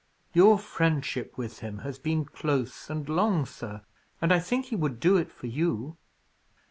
Your friendship with him has been close and long, sir, and I think he would do it for you."